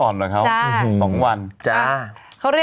อ่อนกว่าเค้า